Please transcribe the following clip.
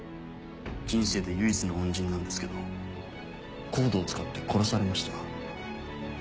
人生で唯一の恩人なんですけどＣＯＤＥを使って殺されました。